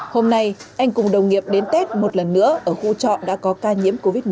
hôm nay anh cùng đồng nghiệp đến tết một lần nữa ở khu trọ đã có ca nhiễm covid một mươi chín